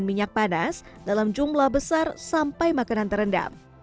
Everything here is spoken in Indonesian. minyak panas dalam jumlah besar sampai makanan terendam